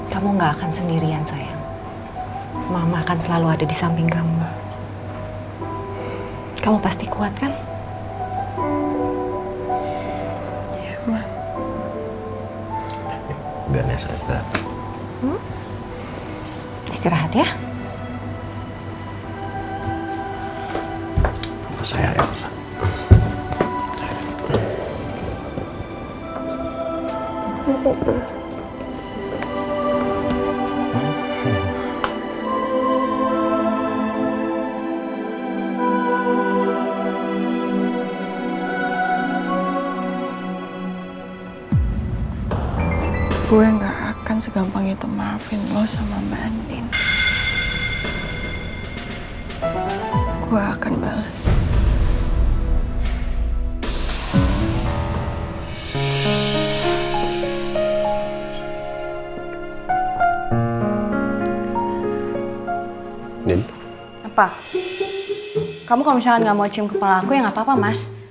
kamu kalau misalnya gak mau cium kepala aku ya gak apa apa mas